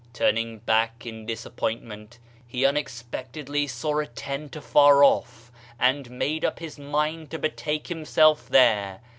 Turning back in disappointment, he unex pectedly saw a tent afar off, and made up his mind to betake himself there.